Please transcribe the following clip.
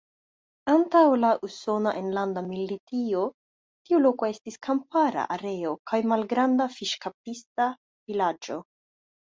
Antaŭ la Usona Enlanda Milito tiu loko estis kampara areo kaj malgranda fiŝkaptista vilaĝo.